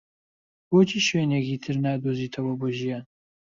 بۆچی شوێنێکی تر نادۆزیتەوە بۆ ژیان؟